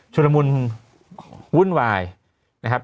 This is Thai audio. ละมุนวุ่นวายนะครับ